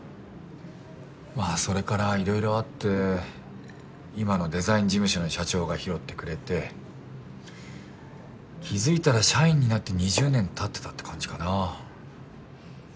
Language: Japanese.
まあそれからいろいろあって今のデザイン事務所の社長が拾ってくれて気づいたら社員になって２０年経ってたって感じかな。